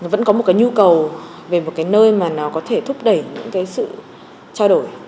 vẫn có một cái nhu cầu về một cái nơi mà nó có thể thúc đẩy những cái sự trao đổi